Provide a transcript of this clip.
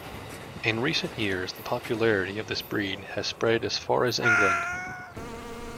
In recent years the popularity of this breed has spread as far as England.